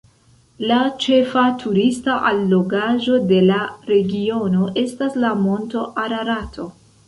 La ĉefa turista allogaĵo de la regiono estas la monto Ararato.